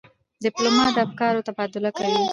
ډيپلومات د افکارو تبادله کوي.